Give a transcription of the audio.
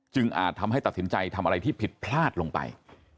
อาจทำให้ตัดสินใจทำอะไรที่ผิดพลาดลงไป